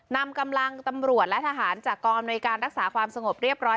นำกำลังตำรวจและทหารจากกองอำนวยการรักษาความสงบเรียบร้อย